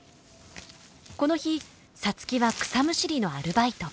この日皐月は草むしりのアルバイト。